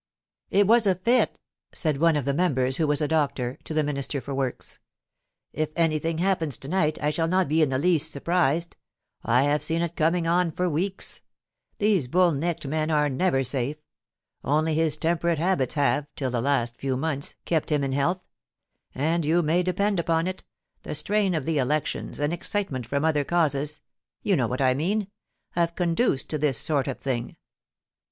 It was a fit,' said one of the members, who was a doctor, to the Minister for Works. * If anything happens to night I shall not be in the least surprised. I have ^^^n it coining on for weeks. These bull necked men are never safe. Only his temperate habits have, till the last few months, kept him in health ; and you may depend upon it, the strain of the elections, and excitement from other causes — ^m know what I mean — have conduced to this sort of thing.